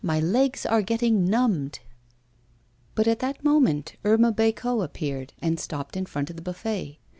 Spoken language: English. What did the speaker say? My legs are getting numbed.' But at that moment Irma Bécot appeared, and stopped in front of the buffet.